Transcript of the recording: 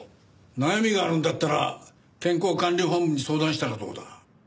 悩みがあるんだったら健康管理本部に相談したらどうだ？